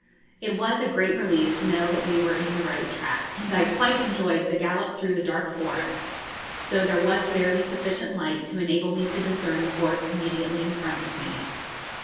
It was a great relief to know that we were in the right track, and I quite enjoyed the gallop through the dark forest, though there was barely sufficient light to enable me to discern the horse immediately in front of me.